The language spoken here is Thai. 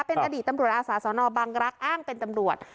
เป็นอดีตตำรวจอาสาสนบังรักษ์อ้างเป็นตำรวจ